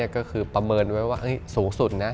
ก็คือประเมินไว้ว่าสูงสุดนะ